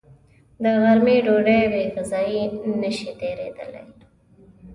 د غرمې ډوډۍ بېغذايي نشي تېرېدلی